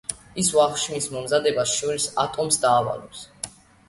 ის ვახშმის მომზადებას შვილს, ტომს, დაავალებს.